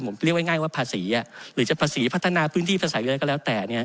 ผมเรียกว่าง่ายว่าภาษีหรือจะภาษีพัฒนาพื้นที่ภาษีอะไรก็แล้วแต่